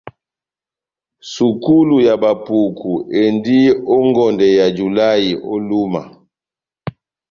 Sukulu ya bapuku endi ó ngɔndɛ yá julahï ó Lúma.